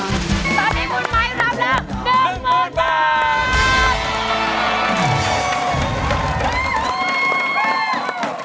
ตอนนี้คุณไมค์รับแล้ว๑มือครับ